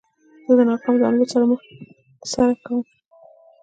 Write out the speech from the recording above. زه د ناکام ډاونلوډ له سره کوم.